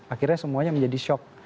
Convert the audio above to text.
akhirnya semuanya menjadi shock